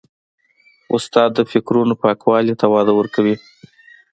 استاد د فکرونو پاکوالي ته وده ورکوي.